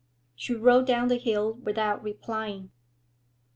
She rode down the hill without replying.